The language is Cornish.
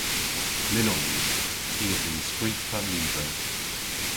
Mynnons. I a vynn skrifa lyver.